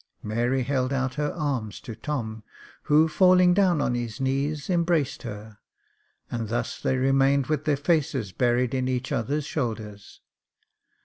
Mary held out her arms to Tom, who falling down on his knees, embraced her, and thus they remained with their faces buried in each other's shoulders.